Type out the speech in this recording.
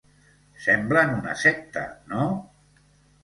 Semblen una secta, no?